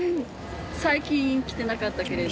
最近来てなかったけれど。